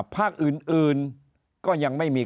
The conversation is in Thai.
ภาคอื่นก็ยังไม่มี